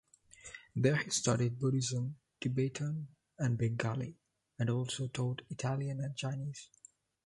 There he studied Buddhism, Tibetan and Bengali, and also taught Italian and Chinese.